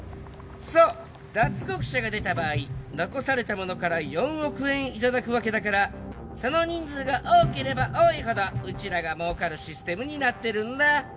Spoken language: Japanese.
そう脱獄者が出た場合残された者から４億円頂くわけだからその人数が多ければ多いほどうちらが儲かるシステムになってるんだ。